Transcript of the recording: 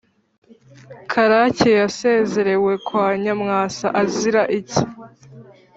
karake yasezerewe kwa nyamwasa azira iki?